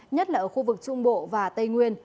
nhất là ở khu vực trung bộ và tây nguyên